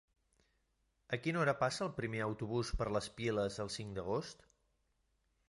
A quina hora passa el primer autobús per les Piles el cinc d'agost?